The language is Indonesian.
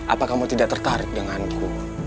apa kamu tidak tertarik denganku